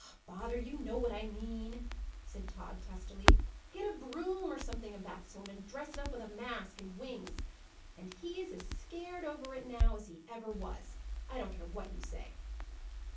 "Bother! you know what I mean," said Tod, testily. "Get a broom or something of that sort, and dress it up with a mask and wings: and he is as scared over it now as he ever was. I don't care what you say."